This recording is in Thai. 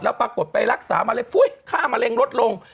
แล้วปรากฏไปรักษามะเร็งปุ๊ยค่ามะเร็งลดลง